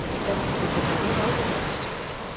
É preciso facer algo máis.